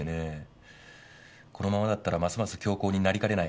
このままだったらますます強硬になりかねない。